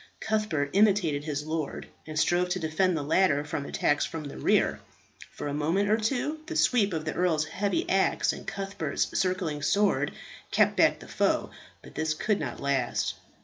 Cuthbert imitated his lord, and strove to defend the latter from attacks from the rear. For a moment or two the sweep of the earl's heavy axe and Cuthbert's circling sword kept back the foe, but this could not last.